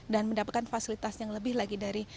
dan mendapatkan fasilitas yang lebih lagi dari